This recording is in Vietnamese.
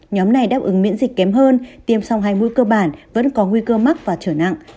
nhóm này đáp ứng miễn dịch kém hơn tiêm song hai mũi cơ bản vẫn có nguy cơ mắc và trở nặng